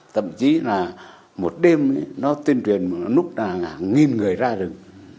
thậm chí là một đêm nó tuyên truyền một nút là nghìn người ra được